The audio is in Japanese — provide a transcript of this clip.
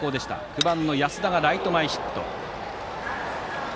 ９番の安田がライト前ヒット。